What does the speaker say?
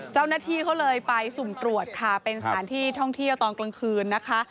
เจ้าหน้าที่เขาเลยไปสุ่มตรวจค่ะเป็นสถานที่ท่องเที่ยวตอนกลางคืนนะคะ